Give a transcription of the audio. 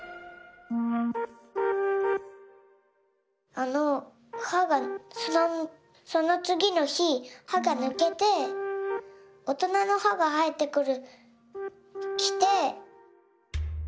あのはがそのつぎのひはがぬけておとなのはがはえてきて。